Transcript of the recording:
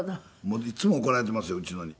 いつも怒られてますようちのに。